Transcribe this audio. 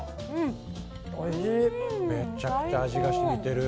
めちゃくちゃ味が染みてる。